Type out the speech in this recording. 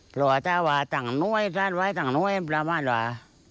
เพราะง่ายจริงจะทำไวมันเป็นประมาณว่า